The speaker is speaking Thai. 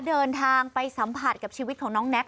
เดินทางไปสัมผัสกับชีวิตของน้องแน็ก